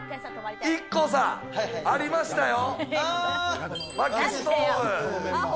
ＩＫＫＯさん、ありましたよ。